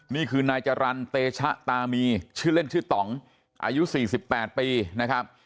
นี่คือนายจรรย์เตชะตามีชื่อเล่นชื่อต่องอายุ๔๘ปีนะครับ